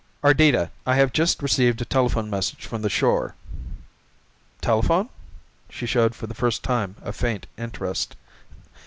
"Ardita, I have just received a telephone message from the shore " "Telephone?" She showed for the first time a faint interest.